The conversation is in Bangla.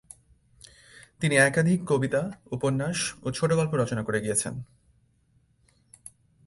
তিনি একাধিক কবিতা, উপন্যাস ও ছোটোগল্প রচনা করে গিয়েছেন।